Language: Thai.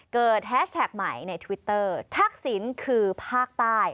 แฮชแท็กใหม่ในทวิตเตอร์ทักษิณคือภาคใต้